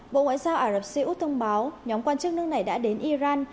bộ ngoại giao ả rập xê út thông báo nhóm quan chức nước này đã đến iran